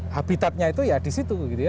habitatnya itu ya di situ